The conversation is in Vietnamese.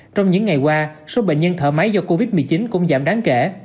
trong những ngày qua số bệnh nhân thở máy do covid một mươi chín cũng giảm đáng kể